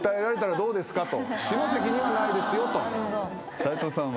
斎藤さんは？